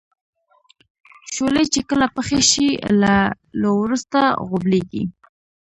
شولې چې کله پخې شي له لو وروسته غوبلیږي.